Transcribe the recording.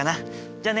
じゃあね。